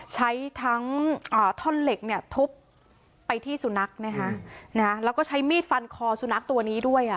ใช้ทั้งท่อนเหล็กเนี่ยทุบไปที่สุนัขนะคะแล้วก็ใช้มีดฟันคอสุนัขตัวนี้ด้วยอ่ะ